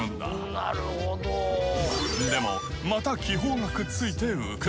でもまた気泡がくっついて浮く。